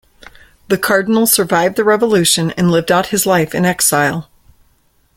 The Cardinal survived the revolution and lived out his life in exile.